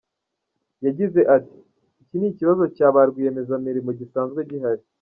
Yagize ati “Icyo ni ikibazo cya ba rwiyemezamirimo gisanzwe gihari .